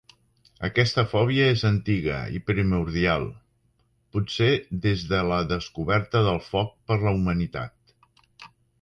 Aquesta fòbia és antiga i primordial, potser des de la descoberta del foc per la humanitat.